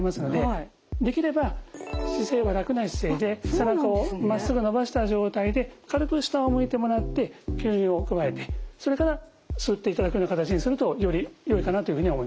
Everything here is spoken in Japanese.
背中をまっすぐ伸ばした状態で軽く下を向いてもらって吸入をくわえてそれから吸っていただくような形にするとよりよいかなというふうには思います。